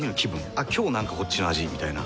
「あっ今日なんかこっちの味」みたいな。